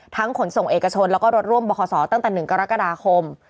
ขนส่งเอกชนแล้วก็รถร่วมบขตั้งแต่๑กรกฎาคม